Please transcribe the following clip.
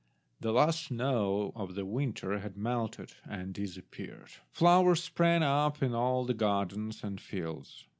The last snow of the winter had melted and disappeared. Flowers sprang up in all the gardens and fields.